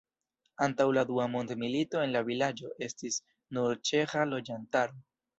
Antaŭ la dua mondmilito en la vilaĝo estis nur ĉeĥa loĝantaro.